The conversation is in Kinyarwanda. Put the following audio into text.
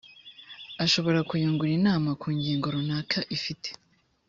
ashobora kuyungura inama ku ngingo runaka ifite